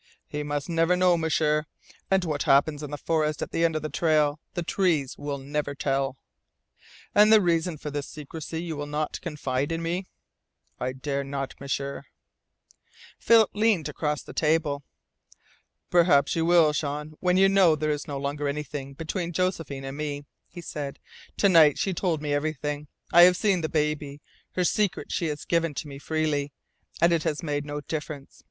"He must never know, M'sieur. And what happens in the forest at the end of the trail the trees will never tell." "And the reason for this secrecy you will not confide in me?" "I dare not, M'sieur." Philip leaned across the table. "Perhaps you will, Jean, when you know there is no longer anything between Josephine and me," he said. "To night she told me everything. I have seen the baby. Her secret she has given to me freely and it has made no difference.